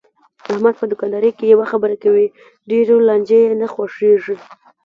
احمد په دوکاندارۍ کې یوه خبره کوي، ډېرو لانجې یې نه خوښږي.